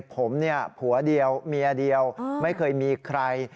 ผมเนี่ยผัวเดียวเมียเดียวไม่เคยมีใคร